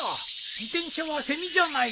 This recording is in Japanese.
自転車はセミじゃないから。